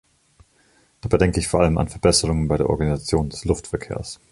Dabei denke ich vor allem an Verbesserungen bei der Organisation des Luftverkehrs.